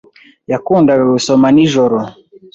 Yakundaga gusoma nijoro.